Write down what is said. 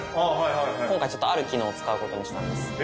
今回ちょっとある機能を使うことにしたんです。